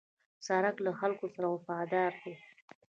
سړک له خلکو سره وفاداره دی.